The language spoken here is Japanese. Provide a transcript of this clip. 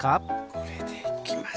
これでいきます。